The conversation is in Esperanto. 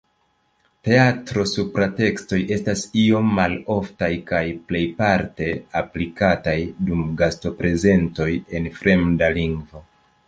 Teatro-supratekstoj estas iom maloftaj kaj plejparte aplikataj dum gasto-prezentoj en fremda lingvo.